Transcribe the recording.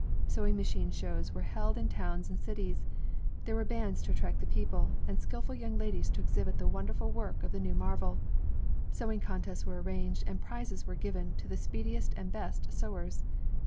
Sewing machine shows were held in towns and cities; there were bands to attract the people, and skill ful young ladies to exhibit the wonderful work of the new marvel. Sewing contests were arranged, and prizes were given to the speediest and best sewers.